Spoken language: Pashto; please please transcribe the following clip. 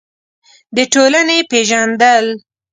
د ټولنې پېژندل: